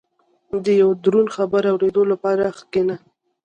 • د یو دروند خبر اورېدو لپاره کښېنه.